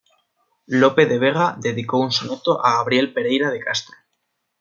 Lope de Vega dedicó un soneto a Gabriel Pereira de Castro.